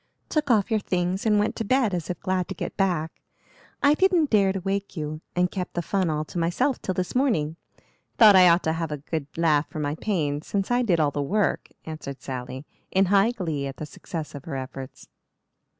"Took off your things and went to bed as if glad to get back. I didn't dare to wake you, and kept the fun all to myself till this morning. Thought I ought to have a good laugh for my pains since I did all the work," answered Sally, in high glee at the success of her efforts.